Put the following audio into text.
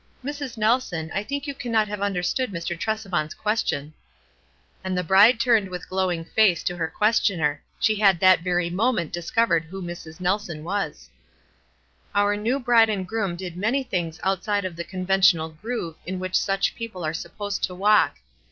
" Mrs. Kelson, I think you cannot have under stood Mr. Tresevant's question." And the bride turned with glowing face to her questioner ; she had that very moment dis covered who Mrs. Nelson was. Our new bride and groom did many things outside of the conventional groove in which such people are supposed to walk.